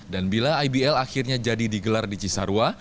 dan bila ibl akhirnya jadi digelar di cisarua